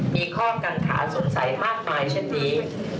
มีข้อกังขาสงสัยมากมายเช่นนี้